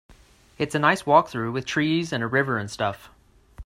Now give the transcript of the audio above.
It's a nice walk though, with trees and a river and stuff.